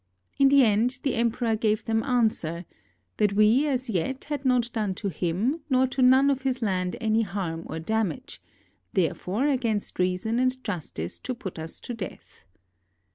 In the end, the emperor gave them answer that we as yet had not done to him nor to none of his land any harm or damage; therefore against reason and justice to put us to death.